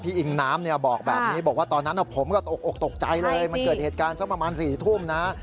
อิงน้ำเนี่ยบอกแบบนี้บอกว่าตอนนั้นผมก็ตกอกตกใจเลยมันเกิดเหตุการณ์สักประมาณ๔ทุ่มนะ